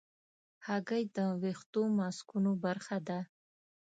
هګۍ د ویښتو ماسکونو برخه ده.